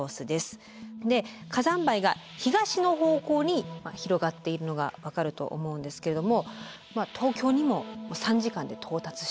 火山灰が東の方向に広がっているのが分かると思うんですけども東京にも３時間で到達していると。